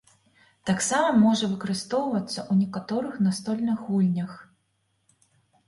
Таксама можа выкарыстоўвацца ў некаторых настольных гульнях.